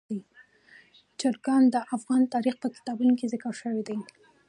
چرګان د افغان تاریخ په کتابونو کې ذکر شوي دي.